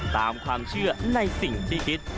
ตามความเชื่อในสิ่งที่คิด